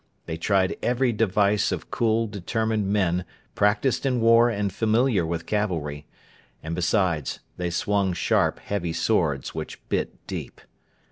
They tried every device of cool, determined men practised in war and familiar with cavalry; and, besides, they swung sharp, heavy swords which bit deep.